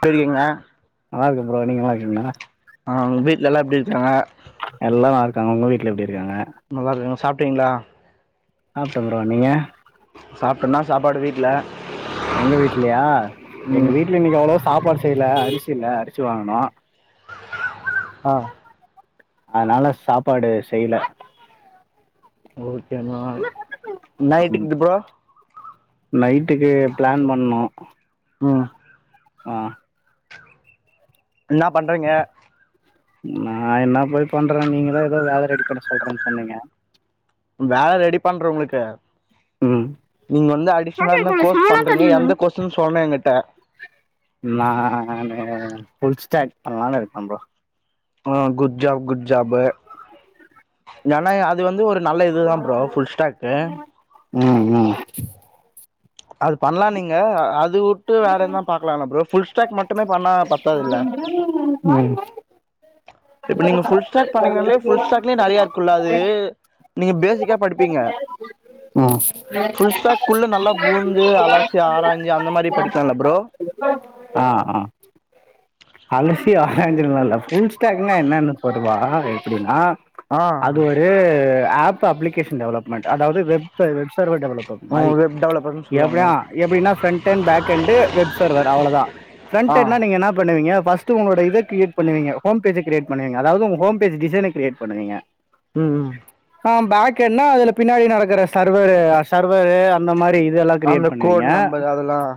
திருங்க ல்லா இருக்கு ப்ரோ நீங்க நல்லா இருக்கீங்களா ஆ வீட்ல எல்லா எப்பிடி இருக்காங்க எல்லா நல்லா இருகாங்க உங்க வீட்ல எப்பிடி இருக் நல்லா இருக்காங்க சாப் டீங்களா சாப்பிட்ட ப்ரோ நீங்க சாப்ட்டன்னா சாப்பாடு வீட்ல எங்க வீட்லியா எங்க ம் வீட்ல இன்னிக்கு அவ்ளோ சாப்பாடு செ டெயில அரிசி இல்ல அரிசி வாங்கணு ஆ அனால சாப்பாடு செய்யல [unintelligible] நைட்டுக்கு ப்ரோ நைட்டுக்கு பிளான் பண்ணு ம் ஆ இன்னா பண்றீங்க நா என்ன போயி பண்றே நீங்கதா எதோ வேல ரெடி பண்ண சொல்றேன் சொன்னீங்க வேல ரெடி பண்ற உங்களுக்கு ம் நீங்க வந்து அடிஷனா இரு கோர்ஸ் பண்றீங்க எந்த கோர்ஸன் சொல்லே என்கிட்ட நானு ஃபுல்ஸ்டெக் பண்ணலானனு இருக்க ப்ரோ ஆ குட் ஜாப் குட் ஜாபு ஏன்னா அது வந்து ஒரு நல்ல இதுதான் ப்ரோ ஃபுல் ஸ்டாக்கு ம் ம் அது பண்ணலாம் நீங்க அது வுட்டு வேற எதனா பாக்கலாம்ல ப்ரோ ஃபுல் ஸ்டாக் மட்டுமே பண்ணா பத்தாது இல்ல ம் இப்ப நீங்க ஃபுல் ஸ்டாக் பண்ணீங்கனாலே ஃபுல் ஸ்டாக்லயே நறையா இருக்கும்ல அது நீங்க பேசிக்கா படிப்பீங்க ம் ஃபுல் ஸ்டாக்குள்ள நல்லா பூந்து அலாசி ஆராயஞ்சு அந்த மாதிரி படிக்கலாம்ல ப்ரோ ஆ ஆ அலசி ஆராஞ்சுனால ஃபுல் ஸ்டாக்னா என்னன்னு பொதுவா எப்படின்னா ஆ அது ஒரு ஆப் அப்ளிகேஷன் டெவலப்மெண்ட் அதாவது வெப் வெப்ச ஃபார்வர்ட் டெவலப்பர் மாரி வெப் டெவலப்பர்ன்னு சொல்லுவாங்க எப்டியா எப்படினா front and back end web சர் வரும் அவ்வளோ தான் ஆ ஃப்ரன்ட்னுனா நீங்க என்ன பண்ணுவீங்க பஸ்ட்டு உங்களோட இத கிரியேட் பண்ணுவீங்க ஹோம் பேஜ கிரியேட் பண்ணுவீங்க அதாவது உங்களோட ஹோம் பேஜ் டிசைனா கிரியேட் பண்ணுவீங்க ம் ம் ஆ பேக் எல்லாம் அதுல பின்னாடி நடக்க சர்வரு சர்வரு அந்த மாரி இதெல்லா அந்த கிரியேட் பண்ணுவீங்க கோடு நம்பர் அதெலாம்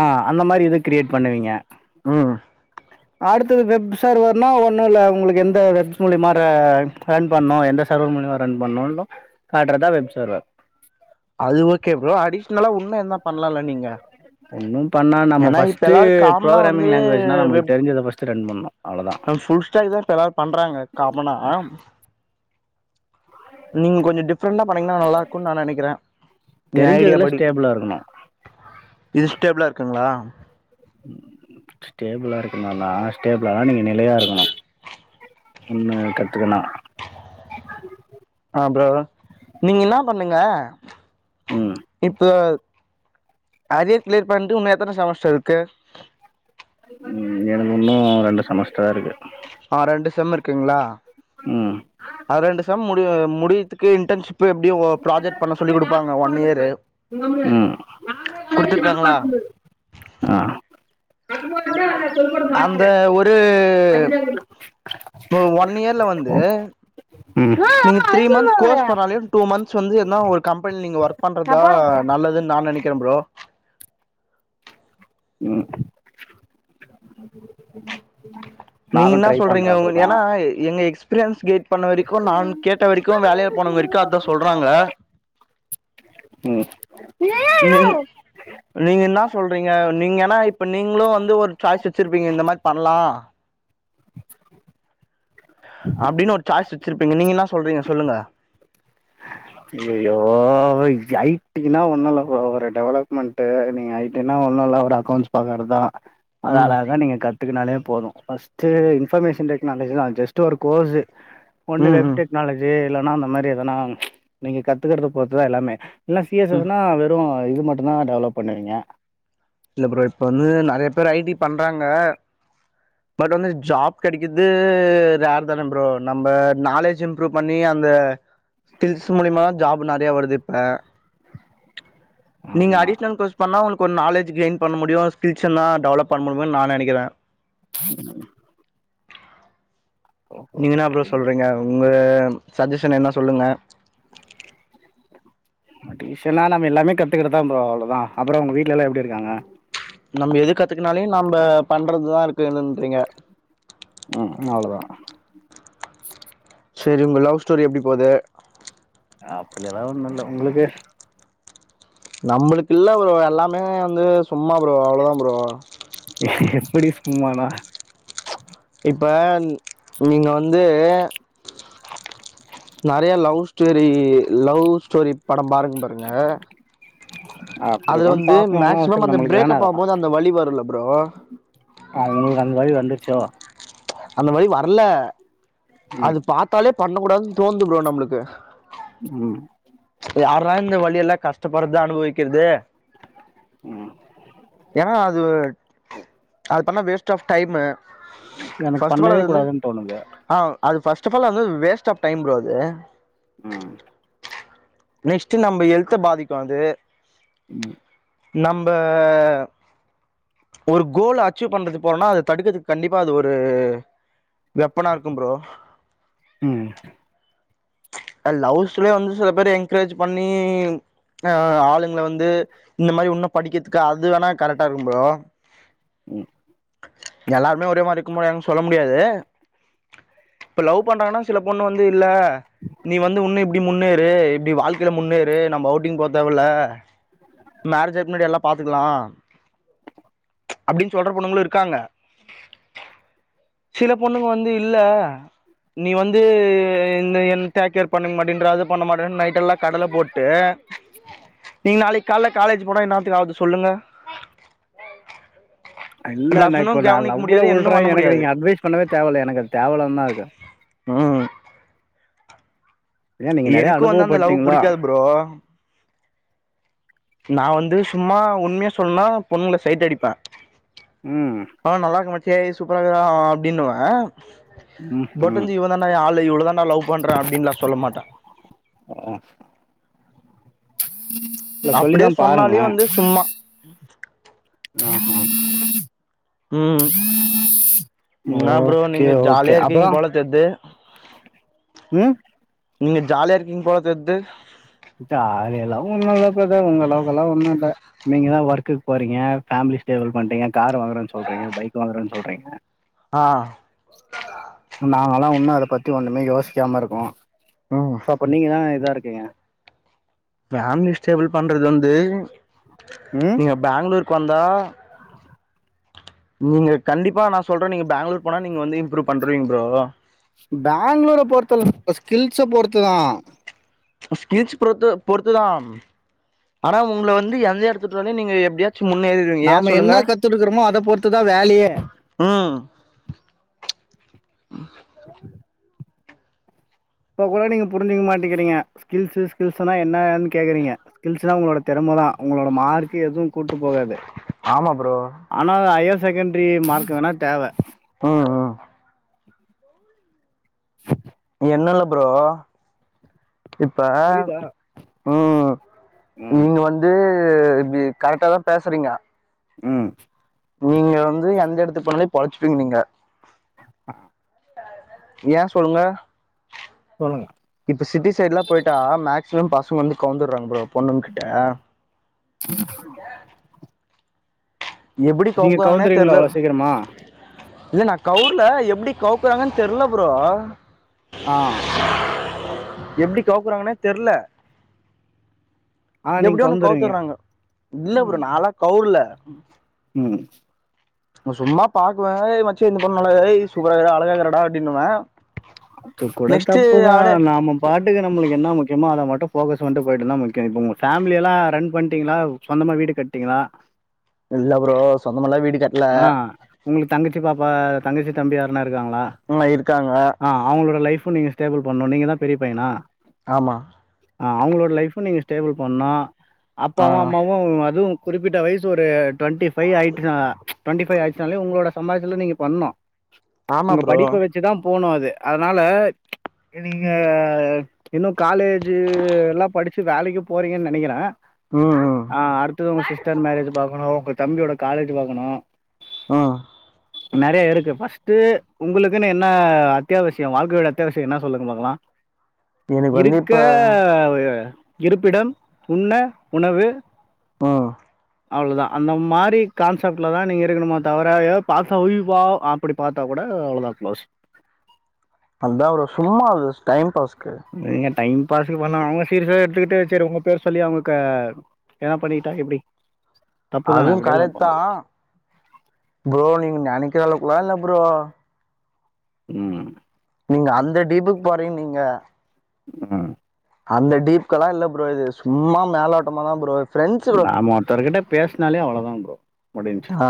ஆ அந்த மாரி எத கிரியேட் பண்ணுவீங்க ம் அடுத்தது வெப் சர்வர்னா ஒன்னும் இல்ல உங்களுக்கு எந்த வெப்ஸ் மூலிமா ரன் பண்ணும் எந்த சர்வர் மூலிமா ரன் பண்ணும் காட்டுறதான் வெப் சர்வர் அது ஓக்கே ப்ரோ அடிஷ்னலா ஒன்னு என்ன பண்ணலாம்ல நீங்க ஒன்னு பண்ணா நம்ம ஏன்னா இப்ப ஃபர்ஸ்ட் எல்லாரு காமனா வந்து ப்ரோகிராமிங் லாங்வேஜ் நம்மளுக்கு வெப் தெரிஞ்சத பர்ஸ் வெச்சு ரன் பண்ணோம் ஃபுல் ஸ்டாக் தான் இப்ப எல்லாரும் பண்றாங்க காம்மனா நீங் ககொஞ்சோம் டிப் டிஃபரெண்டா பண்ணீங்கன்னா நல்லா இருக்கும்ன்னு நா நெனைக்கிறேன் ஏன் ஐடியா தெரிஞ்சதில் படி ஸ்டேபிளாக இருக்கணும் இஸ்டேபிளா இருக்குங்களா ஸ்டேபிளாக இருக்கணும் ந ஸ்டேபிளா இருக்கனும்னா ஷ்டோபிளானா நீங்க நிலையா இருக்கனும் ஒன்னு கத்துக்கணா ஆ ப்ரோ நீங்க என்னா பண்ணுங்க ம் இப்ப அரியர் கிளியர் பண்ட்டு இன்னும் எத்தன செமஸ்டர் இருக்கு ம் எனக்கு இன்னும் ரெண்டு செமஸ்டர் தான் இருக்கு ஆ ரெண்டு செம் இருக்குங்களா ம் அது ரெண்டு செம் மு கு முடியதுக்கு இன்டன்ஷிப் இப்ப எப்டியோ ஒ ப்ராஜெக்ட் பண்ண சொல்லி குடுப்பாங்க ஒன் இயரு ம் குடுத்துருக்காங்களா அந்த ஒரு ஆ இப்ப ஒன் இயர்ல வந்து ம் நீங்க த்ரீ மந்த் கோர்ஸ் போணாலே டூ மந்த்ஸ் வந்து என்னா ஒரு கம்பெனில நீங்க ஒர்க் நான் பண்றதா போறேன் போறேன் நல்லதுன் நா நெனக்கிறன் ப்ரோ ம் நீங்க நானும் என்னா ட்ரை பண்ணுறேன் சொல்றீங்க அப்படிதான் ஏனா எங்க எக்ஸ் பிரன்ஸ் கேட் பண்ண வரைக்கும் நான் கேட்ட வரைக்கும் வேலைய போன வரைக்கும் அதா சொல்றாங்க ம் ஐயோ நீங் நீங்க என்னா சொல்றீங்க நீங்க ஏனா இப்ப நீங்கலு வந்து ஒரு சாய்ஸ் வச்சிருப்பீங்க இந்த மாரி பண்ணலா அப்டின்னு ஒரு சாய்ஸ் வச்சிருப்பீங்க நீங்க என்னா சொல்றீங்க சொல்லுங்க அய்யயோ ஐட்டினா ஐட்டினா ஒன்னு இல்ல ஒரு அகோண்ஸ் பாக்கறதா அத ம் அழக நீங்க கத்துக்குனாலே போதும் பஸ்ட்டு இன்ஃபர்மேஷன் டெக்நாலஜி தா அது ஜஸ்ட்டு ஒரு கோர்ஸூ ஒண்ணு ம் வெப் ம் டெக்னாலஜி இல்ல ன்னா அந்த மாரி எதனா நீங்க கத்துக்கறத பொறுத்துதா எல்லாமே இல்லனா சி எஸ் ம் எஸ் னா வெரு இது மட்டுதா டெவலப் பண்ணுவீங்க இல்ல ப்ரோ இப்ப வந்து நறையா பேரு ஐடி பண்றாங்க பட் வந்து ஜாப் கெடைக்கறது ரேர் தான ப்ரோ நம்ப நாலேஜி இம்ப்ரூவ் பண்ணி அந்த ஸ்கில்ஸ் மூலியமா ஜாப் நறையா வருது இப்ப நீங்க ஆமாம் அடிஷனல் கோர்ஸ் பண்ணா உங்களுக் கொரு நாலேஜி கெயின் பண்ண முடியும் ஸ்கில்ஸ்லா டெவலப் பண்ண முடியுமோனு நா நெனைக்கிறன் [inaudible] நீங்க என்ன ப்ரோ ஓகே சொல்றீங்க உங்க சஜஷன் என்ன சொல்லுங்க டீஸ்னா நம்ம எல்லாமே கத்துகறதா ப்ரோ அவ்ளோதா அப்புறம் உங்க வீட்ல எல்லாம் எப்டி இருக்காங்க நம்ம எது கத்துக்குனாலியும் நம்ப பண்றதுதா இருக்குன்னுன்றீங்க ம் அவ்ளோதா செரி உங்க லவ் ஸ்டோரி எப்டி போது அப்டி எல்லா ஒண்ணும் இல்ல உங்களுக்கு நம்பளுக் இல்ல ப்ரோ எல்லாமே வந்து சும்மா ப்ரோ அவ்ளோதா ப்ரோ அப்டி சும்மாதா இப்ப நீங்க வந்து நறையா லவ் ஸ்டோரி லவ் ஸ்டோரி படம் பாருங்க பாருங்க அதுல அப்படிலாம் வந்து பாக்கணும்லாம் அவசியம் மேக்சிமம் இல்ல அந்த நம்மளுக்கு வேணாம் பிரேகப் அதெல்லாம் ஆவமோது அந்த வலி வரும் இல்ல ப்ரோ ச்சோ அந்த மாரி வரல ம் அது பாத்தாலே பண்ணக்கூடாதுன் தோந்து ப்ரோ நம்மளுக்கு ம் யாரா இந்த வழிய எல்லா கஷ்டப்பறது அனுவிக்கிறது ம் ஏன்னா அது அது பண்ணா வேஸ்ட் ஆஃப் டைமு எனக்கு ஃபர்ஸ்ட் ஆஃப் ஆல் பண்ணவே கூடாதுன்னு தோணுது அது ஃபரஸ்ட் ஆஃபால் அது வேஸ்ட் ஆஃப் டைம் ப்ரோ அது ம் நெஸ்ட் நம்ம ஹெல்த பாதிக்கு அது ம் நம்ப ஒரு கோல் அச்சீவ் பண்றது போறனா அத தடுக்கதுக்கு கண்டிப்பா அது ஒரு வெப்பனா இருக்கு ப்ரோ ம் லவ்ஸ்லே வந்து சில பேரு என்கரேஜ் பண்ணி அ ஆளுங்கள வந்து இந்த மாரி உன்னு படிக்கிறதுக்கு அது வேணா கரெக்டா இருக்கு ப்ரோ ம் எல்லாருமே ஒரே மாரி க்கு முடியா சொல்ல முடியாது இப்ப லவ் பண்றாங்கன்னா சில பொண்ணு வந்து இல்ல நீ வந்து உன்னு இப்பிடி முன்னேறு இப்பிடி வாழ்க்கையில முன்னேறு நம்ம அவுட்டிங் போ தேவல்ல மேரேஜ் ஆயிக் முன்னாடி எல்லா பாத்துக்கலா அப்பிடின் சொல்ற பொண்ணுங்களு இருக்காங்க சில பொண்ணுங்க வந்து இல்ல நீ வந்து இந்த என் டேகர் பண்ணிக்க மாட்டின்ற அது மாட்ட நைட்டு எல்லா கடல போட்டு நீங்க நாளைக்கு காலைல காலேஜ் போன என்னாத்துகு ஆவுது சொல்லுங்க இல்ல நா லவ்ஸ்னு இப்ப நா கவனிக்க லவ்வுல முடியாது ஒன்னு உல்றே பண்ண எனக்கு முடியாது நீங்க அட்வைஸ் பண்ணவே தேவல்ல எனக்கு அது தேவல்லதா இருக்கு ம் ஏன் நீங்க நெறைய எனக்கு வந்து அந்த லவ் அனுபவப்பட்டீங்களா புடிக்காது ப்ரோ நா வந்து சும்மா உண்மையா சொல்லுனா பொண்ணுகள சைட்டு அடிப்பே ம் ஆ நல்லாகே மச்சே சூப்பராக்குதா அப்பிடினுவ ம் ம் போட்டுதீ இவதட ஏ ஆளு இல்ல இவுழுதான் நா லவ் பண்றே அப்பிடிலா நா சொல்லமாட்டே ஆ இல்ல அப்பிடியே சொல்லிதான் சொன்னாலேயே பாருங்களேன் வந்து சும்மா ஆஹ் உ என்ன ப்ரோ ஓகே நீங்க ஓகே ஜாலியா இருக்கிங்க அப்புறம் போல தெர்து ம் நீங்க ஜாலியா இருக்கிங்க போல தெர்து ஜாலி எல்லாம் ஒண்ணு இல்ல ப்ரதர் உங்க அளவுக்கெல்லா ஒண்ணும் இல்ல நீங்கதா ஒர்க்கக்கு போறீங்க ஃபேமிலி ஸ்டேபில் பண்றீங்க கார் வாங்குறேனு சொல்றீங்க பைக் வாங்குறேனு சொல்றீங்க ஆ நாங்கல்லா உண்ணு அதபத்தி ஒண்ணுமே யோசிக்காம இருக்கோ ம் அப்போ நீங்கதானே இதா இருக் க்கங்க ஃபேம்லி ஷ்டேபில் பண்றது வந்து ம் நீங்க பேங்களுருக்கு வந்தா நீங்க கண்டிப்பா நா சொல்றே நீங்க பேங்களூர் போனா நீங்க வந்து இம்ரூவ் பண்றவீங்க ப்ரோ பேங்களூரை பொறுத்துலளவ் ஸ்கில்ஸ்ச பொறுத்துதா ஸ்கில்ஸ் பொறுத்து பொறுத்துதா ஆனா உங்கள வந்து எந்த இடத்தும் நீங்க எப்படியா நாம என்ன கத்துருக்கறோமோ அத பொறுத்துதான வேலயே உஹ் [unintelligible] இப்போ கூட நீங்க புரிஞ்சுக்க மாட்டேக்கிறிங்க ஸ்கில்ஸ்சு ஸ்கில்ஸ்ன என்னன்னு கேகுறிங்க ஸ்கில்ஸ்னா உங்களோட திறமை தா உங்களோட மார்கு எதுவு கூட்டு போகாது ஆமா ப்ரோ ஆனா ஐ எஸ் செகண்ரி மார்க்கு வேணா தேவ ஆ ஆ என்னலா ப்ரோ இப்ப புரியுதா உ ம் நீங்க வந்து அது இப்டி கரெக்டா தா பேசுறீங்க உ நீங்க வந்து எந்த எடத்துக்கு போணாலு பொழச்சிப்பீங்க நீங்க ஹ யா சொல்லுங்க சொல்லுங்க இப்ப சிட்டி சைட்லா போயிட்டா மேக்சிமம் பாஸ் இப்ப வந்து கௌந்துர்ராங்க ப்ரோ பொண்ங்க கிட்ட எப்டி நீங்க கவுக்குறாங்கன்னே கவுந்திரிவிங்களா தெர்ல அவ்வள சீக்கிரமா இல்ல நா கவுர்ல எப்டி கவுக்குறாங்கன்னு தெரில ப்ரோ ஆ எப்டி கவுக்குறாங்கனே தெரில ஆ நீங்க எப்பிடியோன்னு கவுந்துருவீங்க கவுத்தறாங்க இல்ல ப்ரோ ம் நாலா கவுரல ம் ம் சும்மா பாக்குவே ஏ மச்சி இந்த பெண்ணு நல்லாகுது ஏ சூப்பரா இக்குடா அழகாகிறடா அப்பிடின்னுவே த்து கூட தப்புதா நாம பாட்டுக்க நம்மளுக்கு என்னா முக்கியமோ அத மட்டு போக்கஸ் வந்துட்டு போயிட்டுந்தா முக்கியோ இப்ப உங்க ஃபேமிலில்லா ரன் பண்ணிட்டீங்களா சொந்தமா வீடு கட்டீங்களா இல்ல ப்ரோ சொந்தமெல்லா வீடு கட்டல ஆ உங்களுக் தங்கச்சி பாப்பா தங்கச்சி தம்பி யார்னா இருக்காங்களா இருக்காங்க ஆ அவுங்களோட லைஃப்பு நீங்க ஸ்டேபிள் பெண்ணும் நீங்கதா பெரிய பையனா ஆமா ஆ அவங்களோட லைஃபு நீங்க டேபிள் பண்ணால ஆ அப்பாவு அம்மாவு அதுவு குறிப்பிட்ட வயசு ஒரு டுவெண்ட்டி ஃபைவ் ஆயிட்டுனா டி ஃபைவ் ஆச்சனாலே உங்களோட சமாத்துல நீங்க பண்ணோ ஆமா உங்க ப்ரோ படிப்ப வச்சிதா போனு அது அதனால் நீங்கள் இன்னு காலேஜு எல்லா படித்து வேலைக்கு போறீங்கன்னு நெனைக்கிறே ம் ம் ஆ அடுத்தது உங்க சிஸ்டர் மேரேஜ் பாக்கணு உங்க தம்பியோட காலேஜ் பாக்கணு ஆ நெறைய இருக்கு ஃபஸ்ட் உங்களுக்குன்னு என்ன அத்தியாவசிய வாழ்க்கையோட அத்தியாவசிய என்ன சொல்லுங்க பாக்கலா எனக்கு வந்து இருக்க இப்ப இருப்பிடம் உண்ண உணவு ஆ அவ்ளதா அந்த மாரி கான்செப்ட்ல தா நீங்க இருக்கணுமோ தவிர எதோ பாத்தா உயிவா அப்பிடி பாத்தா கூட அவ்ளோதா க்ளோஸ் அந்த ப்ரோ சும்மா அது டைம் பாஸ் நீங்க டைம் பாஸ்க்கு பண்ணலா அவுங்க சீரிசா எடுத்துக்கிட்டு சேரி உங்க பேர சொல்லி அவங்களுக்க எதன்னா பண்ணிகிட்டா எப்பிடி அதுவு கரெத்தா ப்ரோ நீங்க நெனைக்கிற அளவு க்கலா இல்ல ப்ரோ ம் நீங்க அந்த டீப்புக்கு போறீங்க நீங்க ஆ அந்த டீப்கெல்லா இல்ல ப்ரோ இது சும்மா மேலோட்டமா தா ப்ரோ ஃப்ரெண்ட்ஸ் ப்ரோ நாம ஒருத்தர்கிட்ட பேசுனாலே அவ்ளதா ப்ரோ முடிஞ்ச்சு ஆ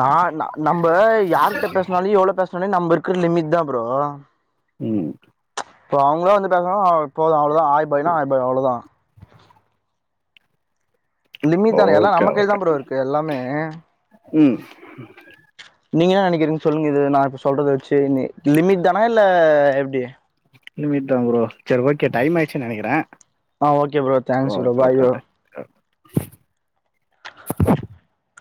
நா நம்ப யாருகிட்ட பேசினாலு எவ்வளவு பேசுனா சொன்ன நம்ம இருக்குற லிமிட் தா ப்ரோ உம் இப்ப அவுங்களா வந்துட்டாங்கனா போல அவ்ளதா ஆய் பாய்னா ஆய் பாய் அவ்ளதா லிமிட் தானே எல்லா ஓகே, நம்ம கைலதா ப்ரோ இருக்கு எல்லாமே உம் நீங்க என்ன நெனக்குறீங்க சொல்லுங்க இது நா இப்ப சொல்றத வச்சு நீ லிமிட் தானா இல்ல எப்டி லிமிட் தா ப்ரோ சரி ஓகே டைம் ஆயிச்சு நெனக்குறே ஆ okay bro thanks bro bye bro ஸடக் [unintelligible]